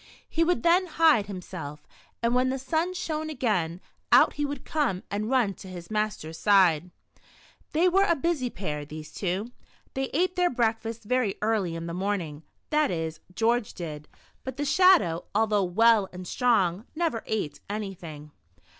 He would then hide . himself, and when the sun shone again, out he would come and run to his master s side. They were a busy pair, these two. They ate their breakfast very early in the morning — that is, George did, but the Shadow, although well and ss The Shadow. 89 strong, never ate anything.